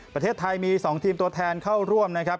ประเทศไทยมี๒ทีมตัวแทนเข้าร่วมนะครับ